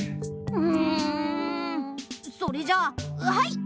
うん。それじゃあはい！